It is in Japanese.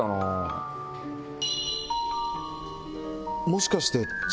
もしかして。